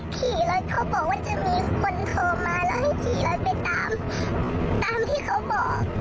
โทรมาแล้วให้ขี่รถไปตามตามที่เค้าบอก